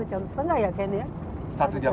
satu jam setengah itu menjemput berapa orang di sana